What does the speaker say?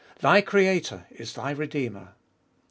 Thy Creator is thy Redeemer!